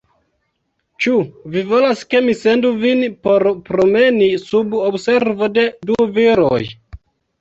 Ĉu vi volas, ke mi sendu vin por promeni, sub observo de du viroj?